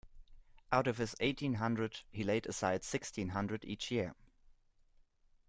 Out of his eighteen hundred, he laid aside sixteen hundred each year.